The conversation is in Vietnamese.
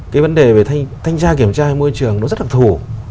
cái vấn đề về thanh tra kiểm tra môi trường nó rất là thủ